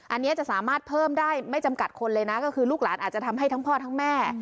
อันนี้จะสามารถเพิ่มได้ไม่จำกัดคนเลยนะก็คือลูกหลานอาจจะทำให้ทั้งพ่อทั้งแม่